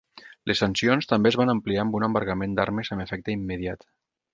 Les sancions també es van ampliar amb un embargament d'armes amb efecte immediat.